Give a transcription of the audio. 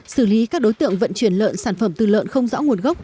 xử lý các đối tượng vận chuyển lợn sản phẩm từ lợn không rõ nguồn gốc